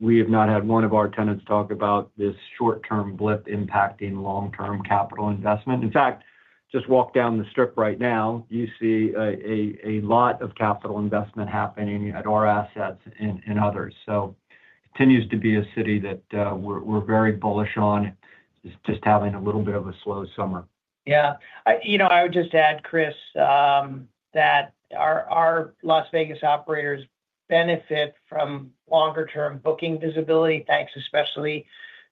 We have not had one of our tenants talk about this short-term blip impacting long-term capital investment. In fact, just walk down the Strip right now, you see a lot of capital investment happening at our assets and others. It continues to be a city that we're very bullish on. It's just having a little bit of a slow summer. Yeah. I would just add, Chris, that our Las Vegas operators benefit from longer-term booking visibility, thanks especially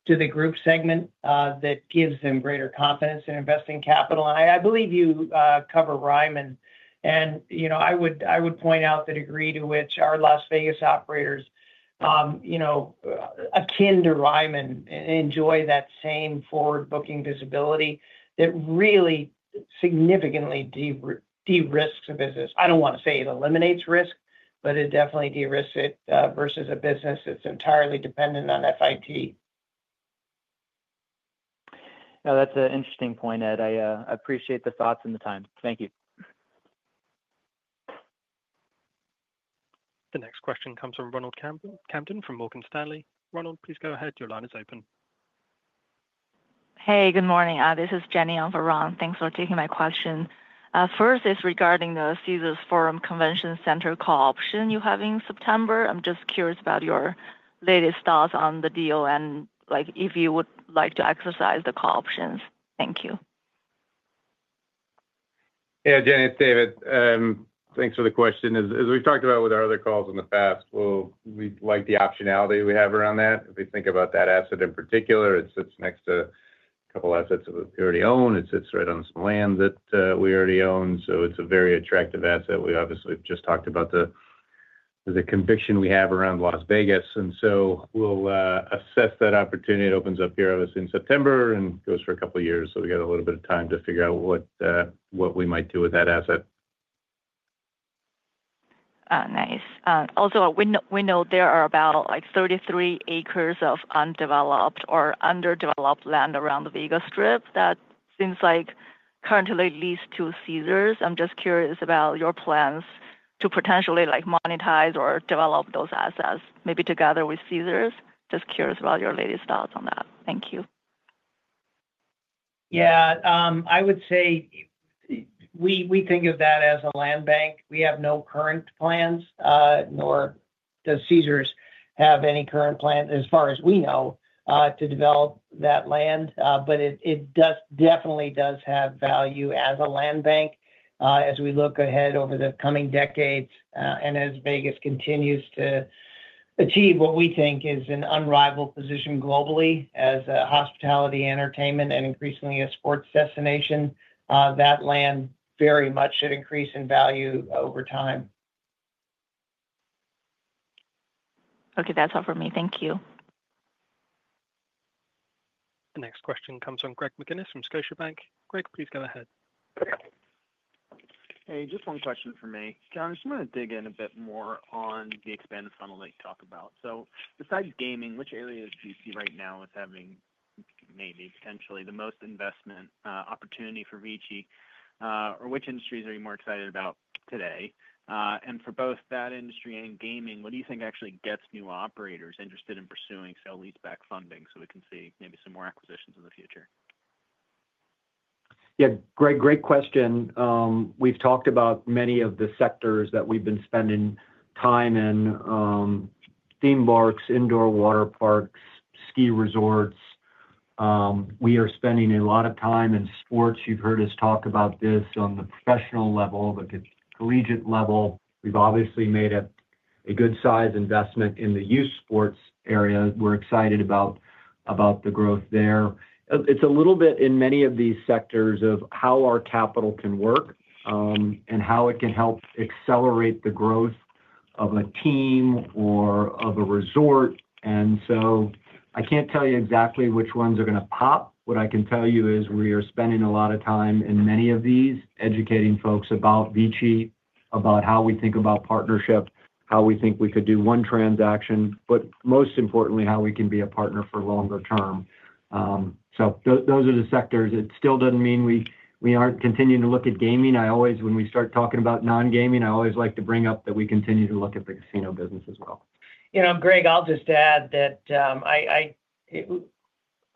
to the group segment that gives them greater confidence in investing capital. I believe you cover Ryman, and I would point out the degree to which our Las Vegas operators, akin to Ryman, enjoy that same forward-booking visibility that really significantly de-risks a business. I don't want to say it eliminates risk, but it definitely de-risks it versus a business that's entirely dependent on FIT. That's an interesting point, Ed. I appreciate the thoughts and the time. Thank you. The next question comes from Ronald Campton from Morgan Stanley. Ronald, please go ahead. Your line is open. Hey, good morning. This is Jenny on Veron. Thanks for taking my question. First, it's regarding the Caesars Forum Convention Center call option you have in September. I'm just curious about your latest thoughts on the deal and if you would like to exercise the call option. Thank you. Yeah, Jenny, it's David. Thanks for the question. As we've talked about with our other calls in the past, we like the optionality we have around that. If we think about that asset in particular, it sits next to a couple of assets that we already own. It sits right on some land that we already own. It's a very attractive asset. We obviously just talked about the conviction we have around Las Vegas. We'll assess that opportunity. It opens up here in September and goes for a couple of years. We got a little bit of time to figure out what we might do with that asset. Nice. Also, we know there are about 33 acres of undeveloped or underdeveloped land around the Vegas Strip that seems like currently leased to Caesars. I'm just curious about your plans to potentially monetize or develop those assets, maybe together with Caesars. Just curious about your latest thoughts on that. Thank you. Yeah. I would say we think of that as a land bank. We have no current plans, nor does Caesars have any current plan, as far as we know, to develop that land. It definitely does have value as a land bank as we look ahead over the coming decades and as Vegas continues to achieve what we think is an unrivaled position globally as a hospitality, entertainment, and increasingly a sports destination. That land very much should increase in value over time. Okay, that's all for me. Thank you. The next question comes from Greg McGinniss from Scotiabank. Greg, please go ahead. Hey, just one question for me. John, I just want to dig in a bit more on the expanded funnel that you talk about. Besides gaming, which areas do you see right now as having, maybe potentially, the most investment opportunity for VICI, or which industries are you more excited about today? For both that industry and gaming, what do you think actually gets new operators interested in pursuing sale lease-back funding so we can see maybe some more acquisitions in the future? Yeah. Great, great question. We've talked about many of the sectors that we've been spending time in: theme parks, indoor water parks, ski resorts. We are spending a lot of time in sports. You've heard us talk about this on the professional level, the collegiate level. We've obviously made a good size investment in the youth sports area. We're excited about the growth there. It's a little bit in many of these sectors of how our capital can work and how it can help accelerate the growth of a team or of a resort. I can't tell you exactly which ones are going to pop. What I can tell you is we are spending a lot of time in many of these, educating folks about VICI, about how we think about partnership, how we think we could do one transaction, but most importantly, how we can be a partner for longer term. Those are the sectors. It still doesn't mean we aren't continuing to look at gaming. When we start talking about non-gaming, I always like to bring up that we continue to look at the casino business as well. Greg, I'll just add that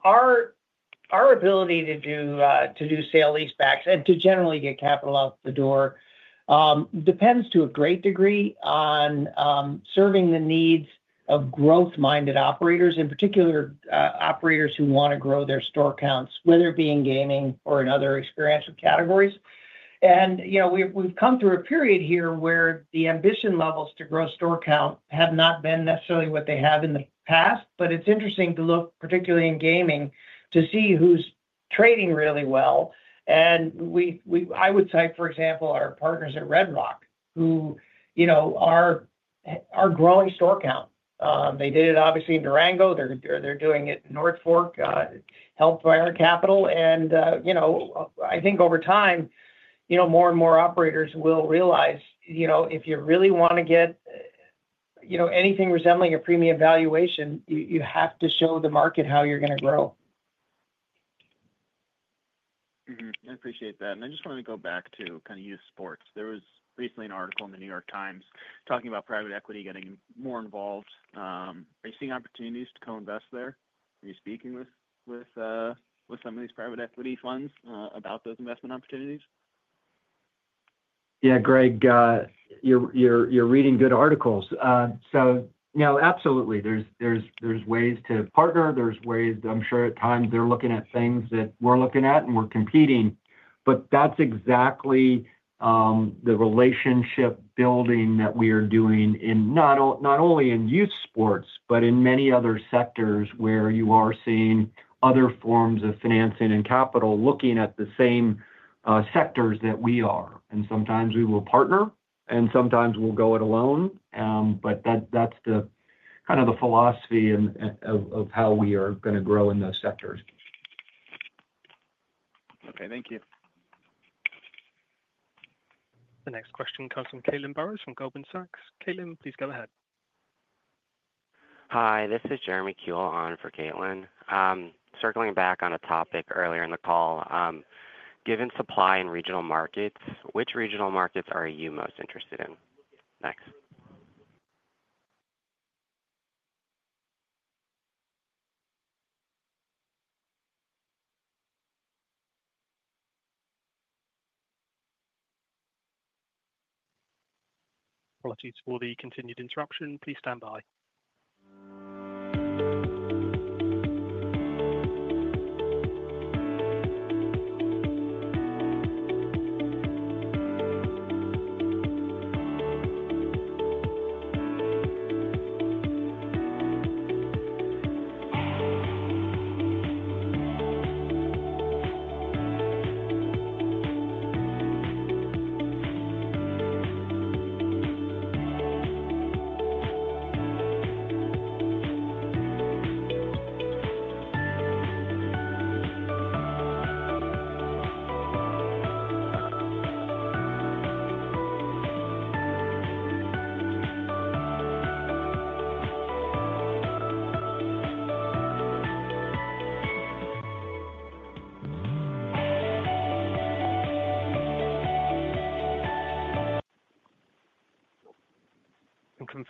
our ability to do sale lease-backs and to generally get capital out the door depends to a great degree on serving the needs of growth-minded operators, in particular operators who want to grow their store counts, whether it be in gaming or in other experiential categories. We've come through a period here where the ambition levels to grow store count have not been necessarily what they have in the past. It's interesting to look, particularly in gaming, to see who's trading really well. I would cite, for example, our partners at Red Rock, who are growing store count. They did it, obviously, in Durango. They're doing it in North Fork, helped by our capital. I think, over time, more and more operators will realize if you really want to get anything resembling a premium valuation, you have to show the market how you're going to grow. I appreciate that. I just wanted to go back to kind of youth sports. There was recently an article in The New York Times talking about private equity getting more involved. Are you seeing opportunities to co-invest there? Are you speaking with some of these private equity funds about those investment opportunities? Yeah, Greg. You're reading good articles. Absolutely, there's ways to partner. There's ways that I'm sure, at times, they're looking at things that we're looking at and we're competing. That's exactly the relationship building that we are doing not only in youth sports, but in many other sectors where you are seeing other forms of financing and capital looking at the same sectors that we are. Sometimes we will partner, and sometimes we'll go it alone. That's kind of the philosophy of how we are going to grow in those sectors. Okay, thank you. The next question comes from Caitlin Burrows from Goldman Sachs. Caitlin, please go ahead. Hi. This is Jeremy Kuhl on for Caitlin. Circling back on a topic earlier in the call, given supply and regional markets, which regional markets are you most interested in next? Apologies for the continued interruption. Please stand by.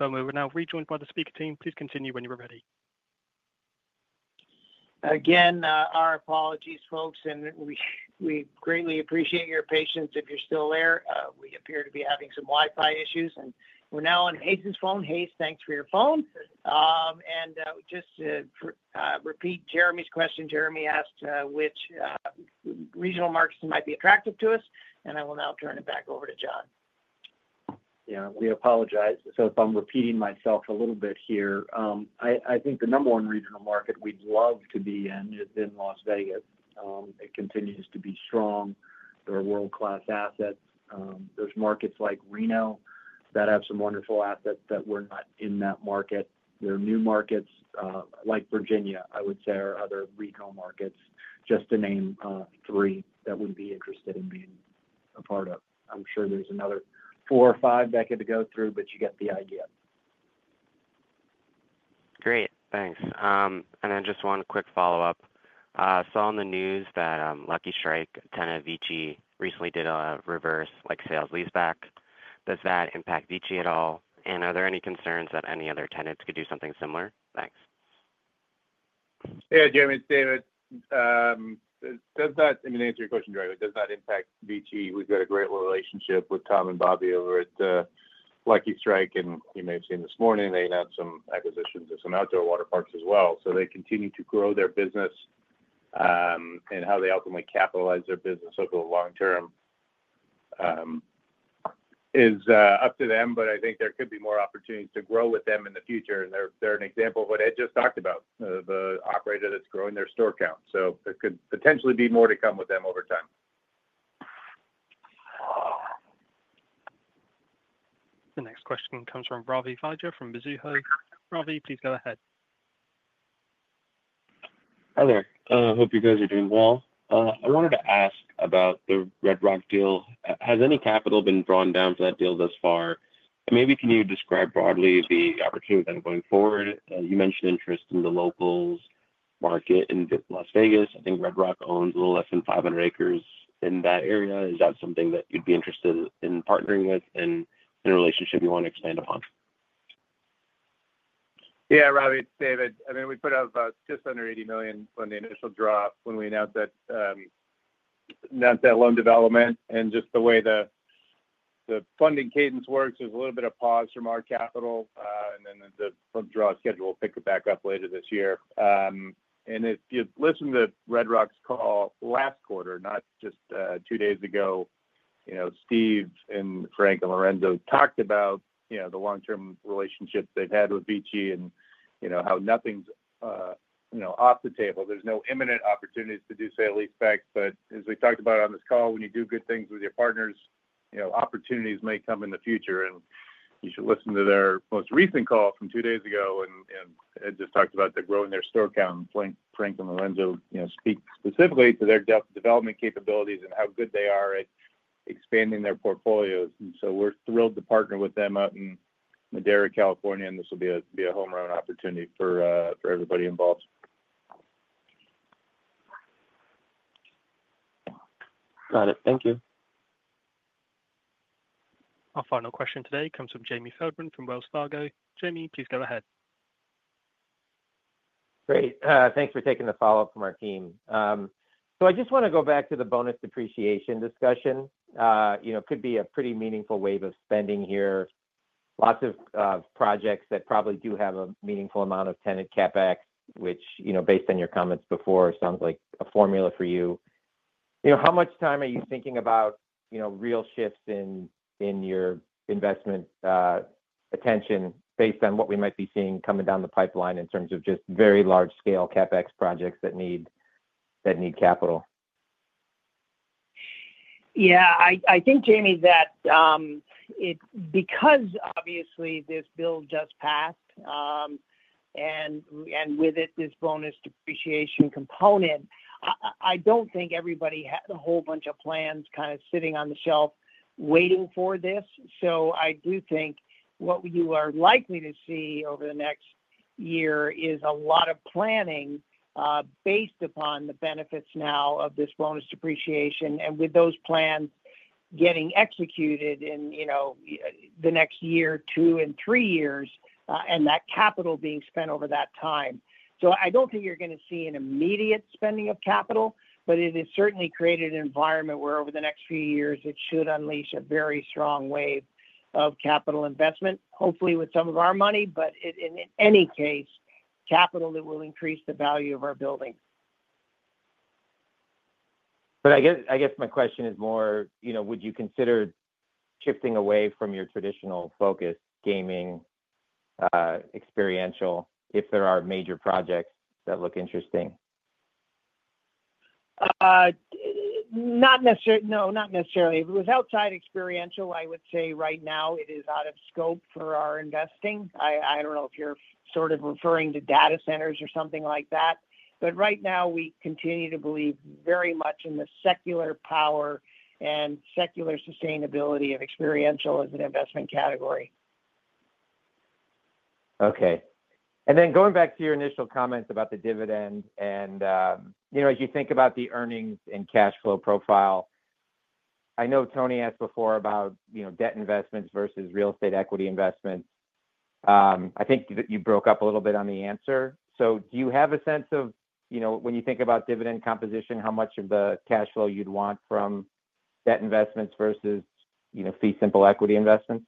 We are now rejoined by the speaker team. Please continue when you're ready. Again, our apologies, folks. We greatly appreciate your patience if you're still there. We appear to be having some Wi-Fi issues. We're now on Haze's phone. Haze, thanks for your phone. Just to repeat Jeremy's question, Jeremy asked which regional markets might be attractive to us. I will now turn it back over to John. We apologize. If I'm repeating myself a little bit here, I think the number one regional market we'd love to be in is in Las Vegas. It continues to be strong. There are world-class assets. There are markets like Reno that have some wonderful assets, but we're not in that market. There are new markets like Virginia, I would say, or other regional markets, just to name three that we'd be interested in being a part of. I'm sure there's another four or five that I could go through, but you get the idea. Great. Thanks. Just one quick follow-up. I saw on the news that Lucky Strike tenant VICI recently did a reverse sale lease-back. Does that impact VICI at all? Are there any concerns that any other tenants could do something similar? Thanks. Yeah, Jeremy. It's David. To answer your question, Greg, it does not impact VICI. We've got a great relationship with Tom and Bobby over at Lucky Strike. You may have seen this morning, they had some acquisitions of some outdoor water parks as well. They continue to grow their business, and how they ultimately capitalize their business over the long term is up to them. I think there could be more opportunities to grow with them in the future. They're an example of what Ed just talked about, the operator that's growing their store count. There could potentially be more to come with them over time. The next question comes from Ravi Vaidya from Mizuho. Ravi, please go ahead. Hi there. I hope you guys are doing well. I wanted to ask about the Red Rock deal. Has any capital been drawn down for that deal thus far? Maybe can you describe broadly the opportunity then going forward? You mentioned interest in the locals' market in Las Vegas. I think Red Rock owns a little less than 500 acres in that area. Is that something that you'd be interested in partnering with and in a relationship you want to expand upon? Yeah, Ravi, it's David. I mean, we put up just under $80 million on the initial drop when we announced that loan development. Just the way the funding cadence works, there's a little bit of pause from our capital, and then the draw schedule will pick it back up later this year. If you listen to Red Rock's call last quarter, not just two days ago, Steve and Frank and Lorenzo talked about the long-term relationship they've had with VICI and how nothing's off the table. There's no imminent opportunities to do sale lease-backs. As we talked about on this call, when you do good things with your partners, opportunities may come in the future. You should listen to their most recent call from two days ago. Ed just talked about they're growing their store count. Frank and Lorenzo speak specifically to their development capabilities and how good they are at expanding their portfolios. We're thrilled to partner with them out in Madera, California, and this will be a home run opportunity for everybody involved. Got it. Thank you. Our final question today comes from Jamie Feldman from Wells Fargo. Jamie, please go ahead. Great. Thanks for taking the follow-up from our team. I just want to go back to the bonus depreciation discussion. It could be a pretty meaningful wave of spending here. Lots of projects that probably do have a meaningful amount of tenant CapEx, which, based on your comments before, sounds like a formula for you. How much time are you thinking about real shifts in your investment attention based on what we might be seeing coming down the pipeline in terms of just very large-scale CapEx projects that need capital? Yeah. I think, Jamie, that because obviously this bill just passed, and with it, this bonus depreciation component, I don't think everybody had a whole bunch of plans kind of sitting on the shelf waiting for this. I do think what you are likely to see over the next year is a lot of planning based upon the benefits now of this bonus depreciation and with those plans getting executed in the next year, two, and three years, and that capital being spent over that time. I don't think you're going to see an immediate spending of capital, but it has certainly created an environment where over the next few years, it should unleash a very strong wave of capital investment, hopefully with some of our money. In any case, capital that will increase the value of our building. I guess my question is more, would you consider shifting away from your traditional focus, gaming, experiential, if there are major projects that look interesting? No, not necessarily. Without side experiential, I would say right now it is out of scope for our investing. I don't know if you're sort of referring to data centers or something like that. Right now, we continue to believe very much in the secular power and secular sustainability of experiential as an investment category. Okay. Going back to your initial comments about the dividend. As you think about the earnings and cash flow profile, I know Tony asked before about debt investments versus real estate equity investments. I think that you broke up a little bit on the answer. Do you have a sense of, when you think about dividend composition, how much of the cash flow you'd want from debt investments versus fee simple equity investments?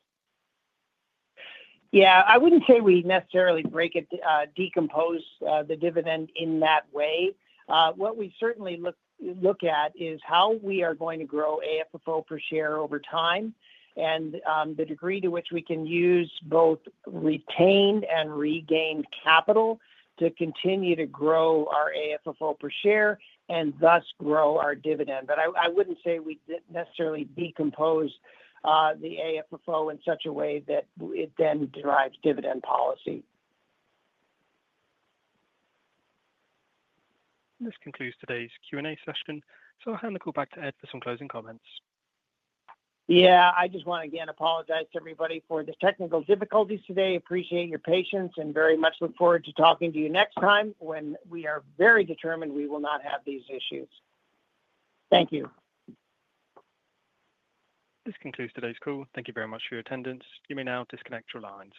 Yeah. I wouldn't say we necessarily break it, decompose the dividend in that way. What we certainly look at is how we are going to grow AFFO per share over time and the degree to which we can use both retained and regained capital to continue to grow our AFFO per share and thus grow our dividend. I wouldn't say we necessarily decompose the AFFO in such a way that it then derives dividend policy. This concludes today's Q&A session. I'll hand the call back to Ed for some closing comments. Yeah, I just want to, again, apologize to everybody for the technical difficulties today. Appreciate your patience and very much look forward to talking to you next time when we are very determined we will not have these issues. Thank you. This concludes today's call. Thank you very much for your attendance. You may now disconnect your lines.